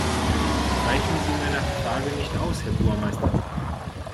Weichen Sie meiner Frage nicht aus, Herr Burmeister!